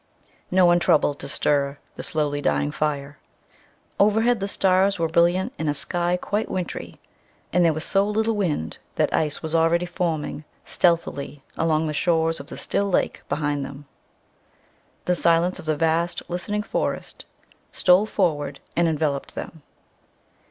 No one troubled to stir the slowly dying fire. Overhead the stars were brilliant in a sky quite wintry, and there was so little wind that ice was already forming stealthily along the shores of the still lake behind them. The silence of the vast listening forest stole forward and enveloped them.